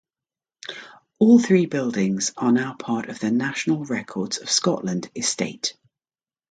All three buildings are now part of the National Records of Scotland estate.